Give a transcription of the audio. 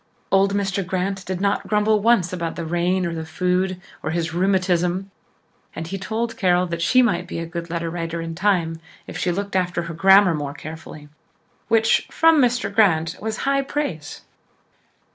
Old Mr. Grant did not grumble once about the rain or the food or his rheumatism and he told Carol that she might be a good letter writer in time if she looked after her grammar more carefully which, from Mr. Grant, was high praise.